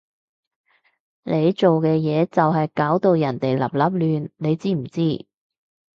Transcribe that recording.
你做嘅嘢就係搞到人哋立立亂，你知唔知？